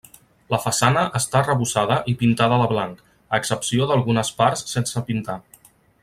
La façana està arrebossada i pintada de blanc, a excepció d'algunes parts sense pintar.